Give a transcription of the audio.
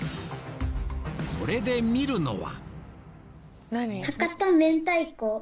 これで見るのは？